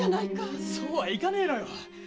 そうはいかねえのよ。